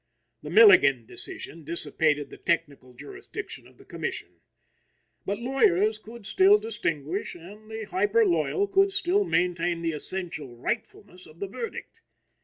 The Milligan decision dissipated the technical jurisdiction of the Commission. But lawyers could still distinguish, and the hyperloyal could still maintain the essential rightfulness of the verdict.